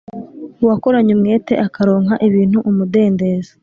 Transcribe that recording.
Uwakoranye umwete akaronka ibintu umudendezo